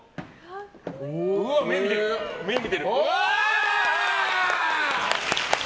目、見てる。